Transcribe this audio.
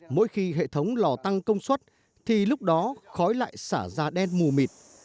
mỗi khi hệ thống lò tăng công suất thì lúc đó khói lại xả ra đen mù mịt